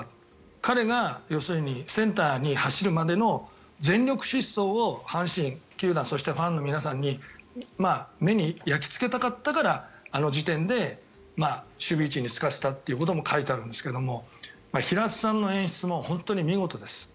彼がセンターに走るまでの全力疾走を阪神球団そしてファンの皆さんの目に焼きつけたかったからあの時点で守備位置に就かせたということも書いてあるんですけども平田さんの演出も本当に見事です。